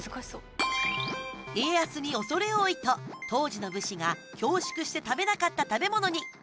家康におそれ多いと当時の武士が恐縮して食べなかった食べ物に丸をつけて。